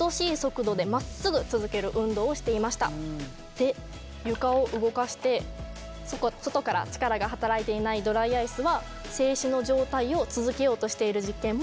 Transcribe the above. で床を動かして外から力が働いていないドライアイスは静止の状態を続けようとしている実験も行いました。